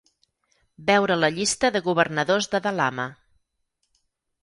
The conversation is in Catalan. Veure la llista de governadors de Dalama.